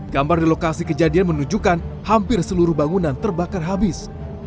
gambar di lokasi kejadian menunjukkan hampir seluruh bangunan terbakar habis